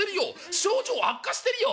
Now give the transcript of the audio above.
症状悪化してるよ」。